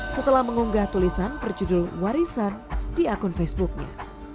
setelah mengunggah tulisan berjudul warisan di akun facebooknya